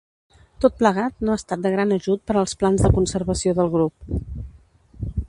Tot plegat no ha estat de gran ajut per als plans de conservació del grup.